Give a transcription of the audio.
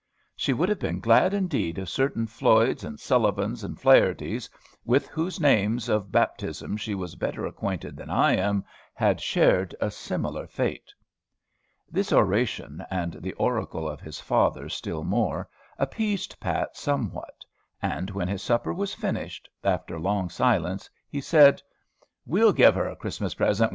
She would have been glad, indeed, if certain Floyds, and Sullivans, and Flahertys with whose names of baptism she was better acquainted than I am, had shared a similar fate. This oration, and the oracle of his father still more, appeased Pat somewhat; and when his supper was finished, after long silence, he said, "We'll give her a Christmas present.